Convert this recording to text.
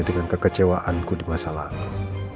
dengan kekecewaanku di masa lalu